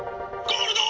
「ゴールド！